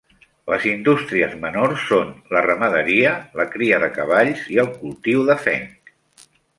Les indústries menors són la ramaderia, la cria de cavalls i el cultiu de fenc.